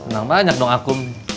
nah banyak dong aku